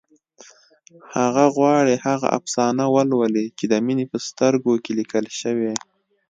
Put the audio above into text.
هغه غواړي هغه افسانه ولولي چې د مينې په سترګو کې لیکل شوې